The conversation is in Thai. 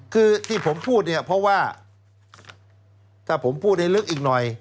คือที่ผมพูดเนี่ยเพราะว่าถ้าผมพูดให้ลึกอีกหน่อย